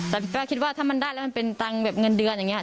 แต่ก็คิดว่าถ้ามันได้แล้วมันเป็นตังค์แบบเงินเดือนอย่างนี้